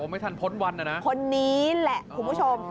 ไม่ทันพ้นวันนะนะคนนี้แหละคุณผู้ชม